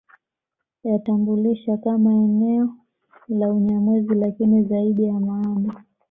Yatambulisha kama eneo la Unyamwezi lakini zaidi ya maana